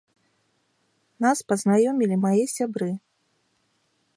Нас пазнаёмілі мае сябры.